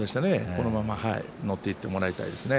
このまま乗っていってもらいたいですね。